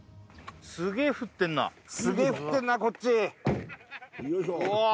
すげえ降ってんなすげえ降ってんなこっちよいしょうわ